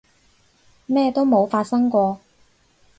咩都冇發生過